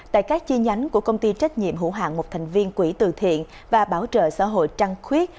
tại các chi nhánh của công ty trách nhiệm hữu hạng một thành viên quỹ từ thiện và bảo trợ xã hội trăng khuyết